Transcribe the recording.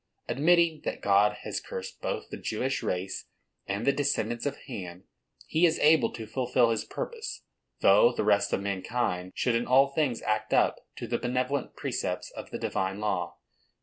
Admitting that God has cursed both the Jewish race and the descendants of Ham, He is able to fulfil His purpose, though the "rest of mankind" should in all things act up to the benevolent precepts of the "Divine law."